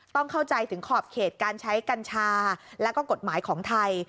ต้องเข้าใจถึงขอบเขตการใช้กัญชาแล้วก็กฎหมายของไทย